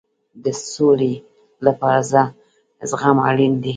د سولې لپاره زغم اړین دی